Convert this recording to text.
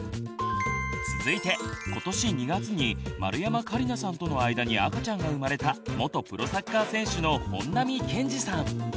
続いて今年２月に丸山桂里奈さんとの間に赤ちゃんが生まれた元プロサッカー選手の本並健治さん。